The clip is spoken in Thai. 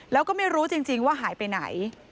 แล้วก็ไม่รู้จริงว่าหายไปไหน